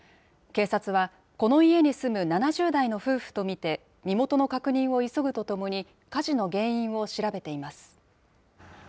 警察は、この家に住む７０代の夫婦と見て、身元の確認を急ぐとともに、火事の原因を調べています。